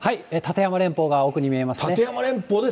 立山連峰が奥に見えますね。